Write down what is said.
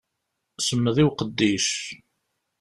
Semmed i uqeddic.